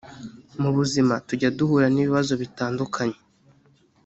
Mu buzima tujya duhura n’ibibazo bitandukanye